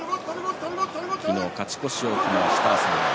昨日勝ち越しを決めました朝乃山。